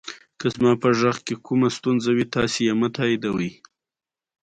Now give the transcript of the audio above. آیا د کلا دیوالونه لوړ نه وي ترڅو پرده وشي؟